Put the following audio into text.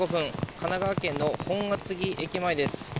神奈川県の本厚木駅前です。